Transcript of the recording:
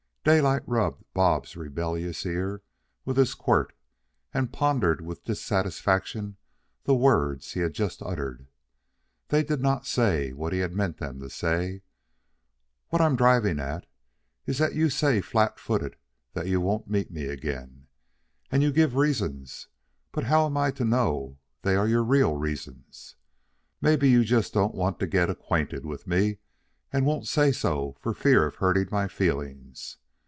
Daylight rubbed Bob's rebellious ear with his quirt and pondered with dissatisfaction the words he had just uttered. They did not say what he had meant them to say. "What I'm driving at is that you say flatfooted that you won't meet me again, and you give your reasons, but how am I to know they are your real reasons? Mebbe you just don't want to get acquainted with me, and won't say so for fear of hurting my feelings.